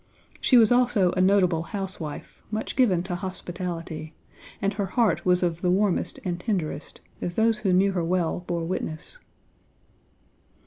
She was also a notable housewife, much given to hospitality; and her heart was of the warmest and tenderest, as those who knew her well bore witness.